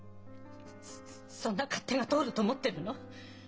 そそんな勝手が通ると思ってるの？